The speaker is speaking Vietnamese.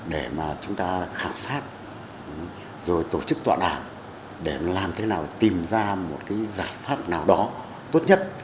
để mà chúng ta khảo sát rồi tổ chức tọa đàm để làm thế nào tìm ra một cái giải pháp nào đó tốt nhất